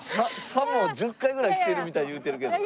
さも１０回ぐらい来てるみたいに言うてるけど。